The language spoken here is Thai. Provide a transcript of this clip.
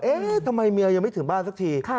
ทำไมเมียยังไม่ถึงบ้านสักที